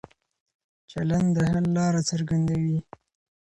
چلن د حل لاره څرګندوي.